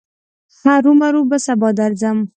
هرو مرو به سبا درځم.